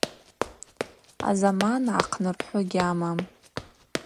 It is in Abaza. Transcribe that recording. Азаман гӏахънырхӏвы гьамам.